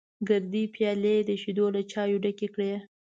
ګردې پيالې یې د شیدو له چایو ډکې کړې.